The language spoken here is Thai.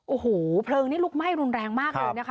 โอ้โหเพลิงนี่ลุกไหม้รุนแรงมากเลยนะคะ